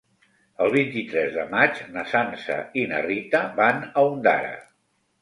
El vint-i-tres de maig na Sança i na Rita van a Ondara.